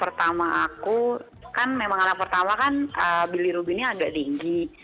terus kalau waktu itu anak pertama aku kan memang anak pertama kan bilirubinnya agak dinggi